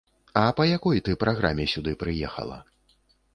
А па якой ты праграме сюды прыехала?